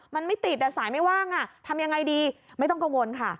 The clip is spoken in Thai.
มันไม่ติดสายไม่ว่างทำยังไงดีไม่ต้องกังวลค่ะ